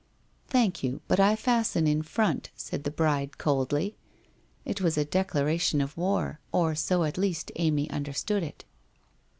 ' Thank you, but I fasten in front,' said the bride coldly. It was a declaration of war or so at least Amy under stood it.